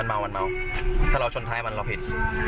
ถ้าเราชนถ้ามันครมหิน